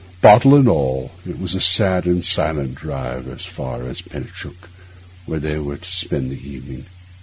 Bottle and all, it was a sad and silent drive as far as Penicuik, where they were to spend the evening.